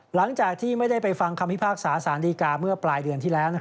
หลังจากที่ไม่ได้ไปฟังคำพิพากษาสารดีกาเมื่อปลายเดือนที่แล้ว